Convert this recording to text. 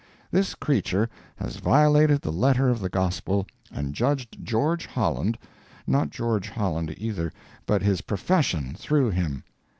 This creature has violated the letter of the gospel and judged George Holland—not George Holland either—but his profession through him.